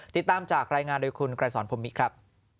ติดตามจากรายงานโดยคุณไกรสอนพรมิครับ